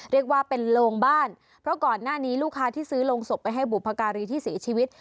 เรียกว่าเป็นโรงบ้านเพราะก่อนหน้านี้ลูกค้าที่ซื้อโรงศพไปให้บุพการีที่เสียชีวิต